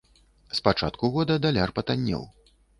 З пачатку года даляр патаннеў.